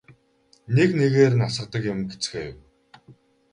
Нэг нэгээр нь асгадаг юм гэцгээв.